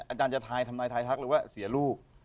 อาจารย์จะทายทำนายทายทักหรือว่าเสียลูก